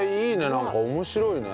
なんか面白いね。